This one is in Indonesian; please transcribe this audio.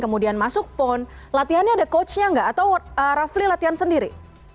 kemudian masuk pon latihannya ada coachnya nggak atau rafli latihan sendiri